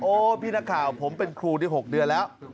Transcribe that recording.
พี่นักข่าวผมเป็นครูได้๖เดือนแล้ว